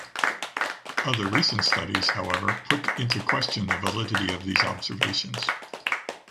Other recent studies, however, put into question the validity of these observations.